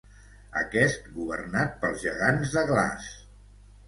Aquest governat pels gegants de glaç.